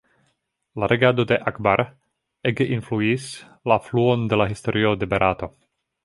La regado de Akbar ege influis la fluon de la historio de Barato.